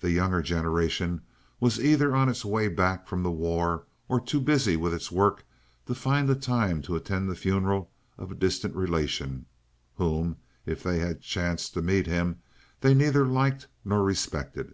The younger generation was either on its way back from the war, or too busy with its work to find the time to attend the funeral of a distant relation, whom, if they had chanced to meet him, they neither liked nor respected.